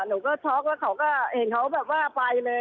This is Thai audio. หนูก็ช็อกแล้วเขาก็เห็นเขาแบบว่าไปเลย